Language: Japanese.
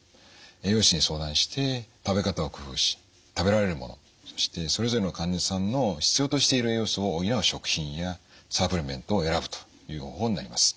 栄養士に相談して食べ方を工夫し食べられるものそしてそれぞれの患者さんの必要としている栄養素を補う食品やサプリメントを選ぶという方法になります。